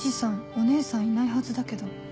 お姉さんいないはずだけど